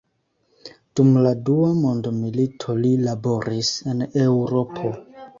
Dum la dua mondmilito li laboris en Eŭropo.